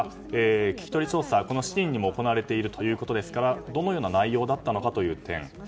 聞き取り調査は７人にも行われているということですからどのような内容だったかという点。